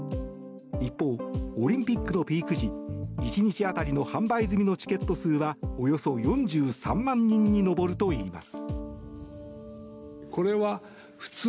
一方、オリンピックのピーク時１日当たりの販売済みのチケット数はおよそ４３万人に上るといいます。